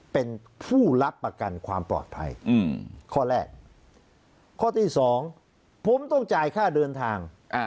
เป็นผู้รับประกันความปลอดภัยข้อแรกข้อที่สองผมต้องจ่ายค่าเดินทาง